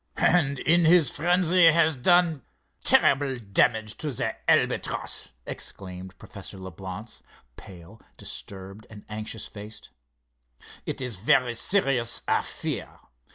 "And in his frenzy has done terrible damage to the Albatross," exclaimed Professor Leblance, pale, disturbed and anxious faced. "It is very serious, I fear.